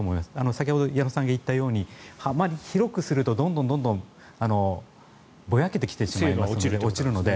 先ほど矢野さんが言ったようにあまり広くするとどんどんぼやけてきて精度は落ちるので。